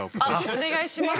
お願いします。